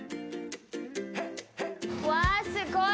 うわあ、すごい。